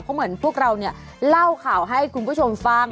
เพราะเหมือนพวกเราเนี่ยเล่าข่าวให้คุณผู้ชมฟัง